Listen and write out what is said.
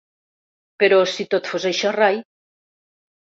Però si tot fos això rai.